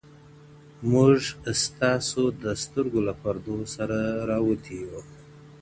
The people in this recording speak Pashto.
• موږه ستا د سترگو له پردو سره راوتـي يـو.